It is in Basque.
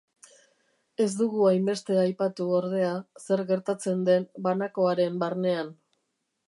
Ez dugu hainbeste aipatu, ordea, zer gertatzen den banakoaren barnean.